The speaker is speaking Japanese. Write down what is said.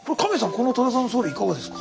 この多田さんの装備いかがですか？